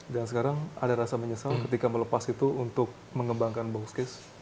dan sekarang ada rasa menyesal ketika melepas itu untuk mengembangkan boxcase